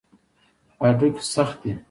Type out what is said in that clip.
هډوکي سخت دي.